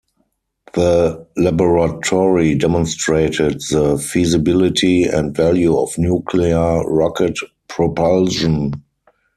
The laboratory demonstrated the feasibility and value of nuclear rocket propulsion.